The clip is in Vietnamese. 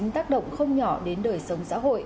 tác động không nhỏ đến đời sống xã hội